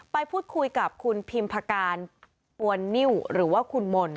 ไปพูดคุยกับคุณพิมพการปวนนิ้วหรือว่าคุณมนต์